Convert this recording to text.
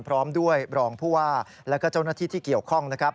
พร้อมพี่และพลองผู้ว่าและเจ้าหน้าที่เกี่ยวข้อง